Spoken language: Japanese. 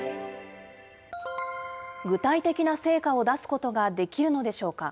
具体的な成果を出すことができるのでしょうか。